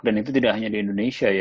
dan itu tidak hanya di indonesia ya